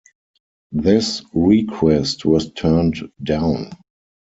This request was turned down.